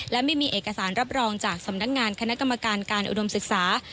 และไม่มีเอกสารรับรองจากสำนักงานคณะกรรมการการอุดมศึกษา